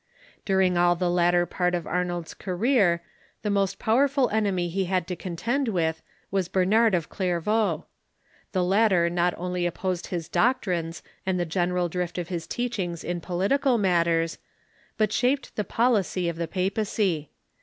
During all the latter part of Ar nold's career, the most powerful enemy he had to contend Avith Avas Bernard of Clairvaux. The latter not only opposed his doctrines and the general drift of his teachings in political matters, but shaped the policy of the papacy.